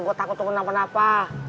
gue takut lo kenapa napa